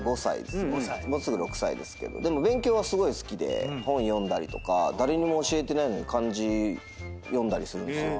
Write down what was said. でも勉強はすごい好きで本読んだりとか誰も教えてないのに漢字読んだりするんですよ。